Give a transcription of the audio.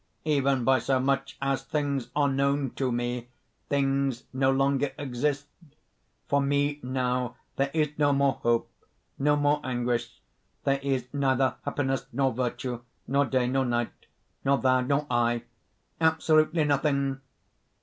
"Even by so much as things are known to me, things no longer exist. "For me now there is no more hope, no more anguish, there is neither happiness nor virtue, nor day nor night, nor Thou nor I absolutely nothing!